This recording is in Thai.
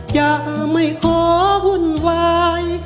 จะไม่ขอวุ่นวาย